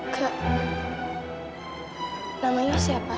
kak namanya siapa